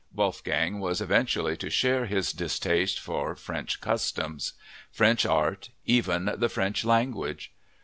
Wolfgang was eventually to share his distaste for French customs, French art, even the French language.